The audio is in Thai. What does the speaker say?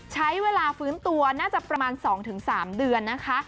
ใช้เวลาฟื้นตัวน่าจะประมาณ๒๓เดือนนะคะ